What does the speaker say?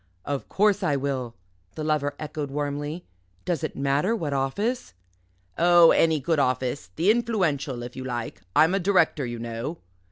"Of course I will," the Lover echoed warmly; "does it matter what office?" "Oh, any good office the Influential, if you like. I'm a director, you know."